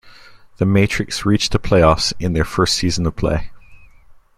The Matrix reached the playoffs in their first season of play.